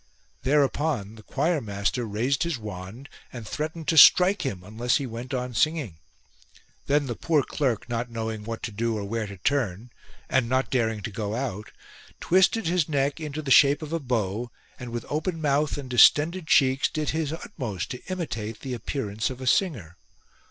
There upon the choirmaster raised his wand and threatened to strike him unless he went on singing. Then the poor clerk, not knowing what to do or where to turn, and not daring to go out, twisted his neck into the shape of a bow and with open mouth and distended cheeks did his utmost to imitate the appearance of a singer.